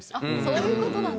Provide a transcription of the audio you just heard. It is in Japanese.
そういう事なんだ。